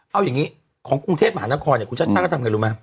เอาอย่างงี้ของกรุ่งเทศมหานะครเนี่ยคุณชั่นชั่นทำยังไงรู้มั้ย